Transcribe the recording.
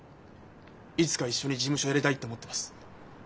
いつか一緒に事務所をやりたいって思ってます。